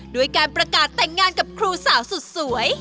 ด้วยการประกาศแต่งงานกับครูสาวสุดสวย